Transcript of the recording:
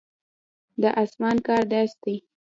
د اسمان کار داسې دی.